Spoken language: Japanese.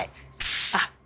あっ！